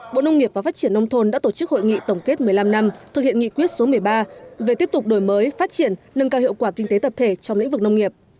bộ nông nghiệp và phát triển nông thôn đã tổ chức hội nghị tổng kết một mươi năm năm thực hiện nghị quyết số một mươi ba về tiếp tục đổi mới phát triển nâng cao hiệu quả kinh tế tập thể trong lĩnh vực nông nghiệp